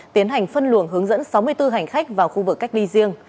tiến hành phân luồng hướng dẫn sáu mươi bốn hành khách vào khu vực cách ly riêng